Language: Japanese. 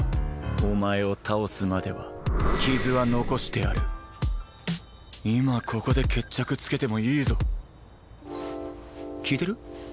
お前を倒すまでは傷は残してある今ここで決着つけてもいいぞ聞いてる？